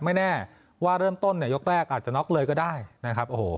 ไม่แน่ว่าเริ่มต้นเนี่ยยกแรกอาจจะน็อกเลยก็ได้นะครับโอ้โห